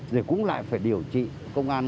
rồi cũng lại phải điều trị công an